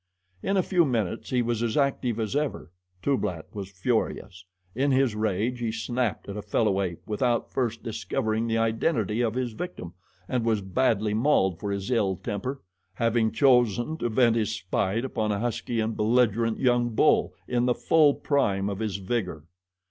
In a few minutes he was as active as ever. Tublat was furious. In his rage he snapped at a fellow ape without first discovering the identity of his victim, and was badly mauled for his ill temper, having chosen to vent his spite upon a husky and belligerent young bull in the full prime of his vigor.